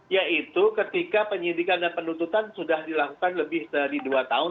yaitu ketika penyidikan dan penuntutan sudah dilakukan lebih dari dua tahun